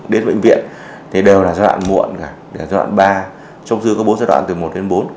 các bệnh viện đều là giai đoạn muộn giai đoạn ba trong khi có bốn giai đoạn từ một đến bốn